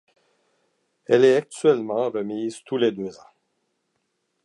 Elle est actuellement remise tous les deux ans.